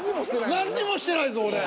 何にもしてないもんね。